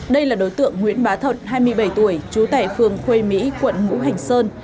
đây là đối tượng nguyễn bá thuận hai mươi bảy tuổi chú tẻ phường khuê mỹ quận ngũ hành sơn